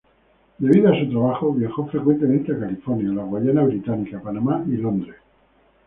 Debido a su trabajo viajó frecuentemente a California, la Guayana Británica, Panamá y Londres.